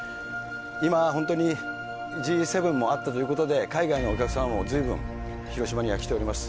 今、本当にＧ７もあったということで、海外のお客さんもずいぶん広島には来ております。